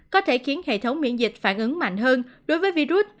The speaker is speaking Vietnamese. có thể khiến hệ thống miễn dịch phản ứng mạnh hơn đối với virus